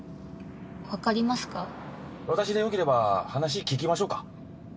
私でよければ話聞きましょうか？